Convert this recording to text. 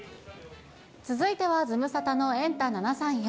続いてはズムサタのエンタ７３４。